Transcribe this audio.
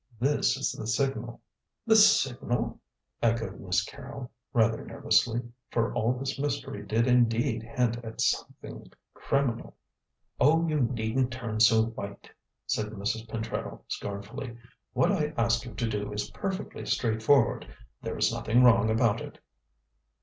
"This is the signal." "The signal?" echoed Miss Carrol, rather nervously, for all this mystery did indeed hint at something criminal. "Oh, you needn't turn so white," said Mrs. Pentreddle scornfully. "What I ask you to do is perfectly straightforward. There is nothing wrong about it."